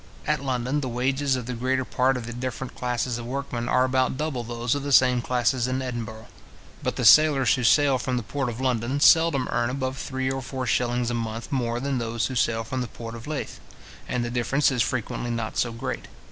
At London, the wages of the greater part of the different classes of workmen are about double those of the same classes at Edinburgh. But the sailors who sail from the port of London, seldom earn above three or four shillings a month more than those who sail from the port of Leith, and the difference is frequently not so great.